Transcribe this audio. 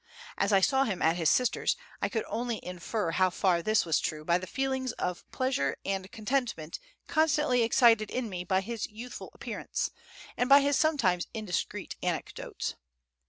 As I saw him at his sister's I could only infer how far this was true by the feeling of pleasure and contentment constantly excited in me by his youthful appearance and by his sometimes indiscreet anecdotes.